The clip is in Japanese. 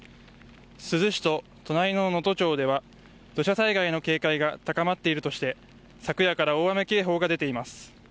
珠洲市と隣の能登町では土砂災害の警戒が高まっているとして昨夜から大雨警報が出ています。